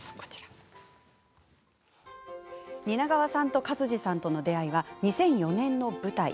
蜷川さんと勝地さんとの出会いは２００４年の舞台。